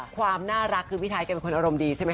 ความน่ารักคือพี่ไทยแกเป็นคนอารมณ์ดีใช่ไหม